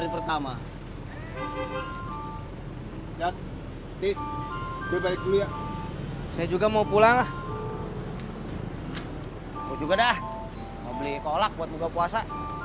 pertama cak tis gue balik dulu ya saya juga mau pulang lah gue juga dah mau beli kolak buat muka puasa